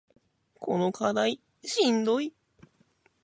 この課題しんどい